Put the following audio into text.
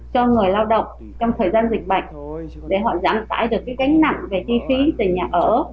cho người lao động trong thời gian dịch bệnh để họ giảm tải được cái gánh nặng về chi phí từ nhà ở